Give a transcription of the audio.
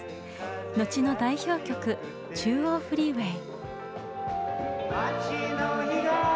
後の代表曲「中央フリーウェイ」。